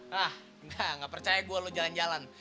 hah nggak nggak percaya gue lo jalan jalan